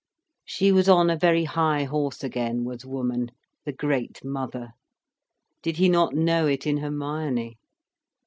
She was on a very high horse again, was woman, the Great Mother. Did he not know it in Hermione.